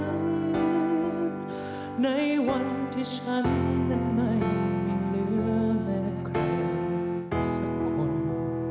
ในวันที่ฉันนั้นไม่มีเหลือและใครสักคน